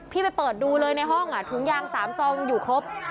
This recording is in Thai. พี่ไปเปิดดูเลยในห้องถุงยางสามสองอยู่ครบ